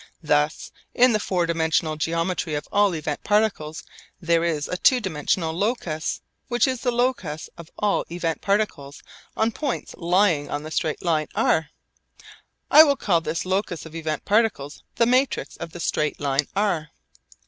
Thus in the four dimensional geometry of all event particles there is a two dimensional locus which is the locus of all event particles on points lying on the straight line r. I will call this locus of event particles the matrix of the straight line r.